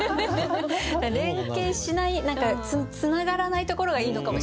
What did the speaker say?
連係しないつながらないところがいいのかもしれないですね。